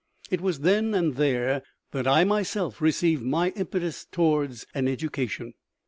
It was then and there that I myself received my impetus toward an education.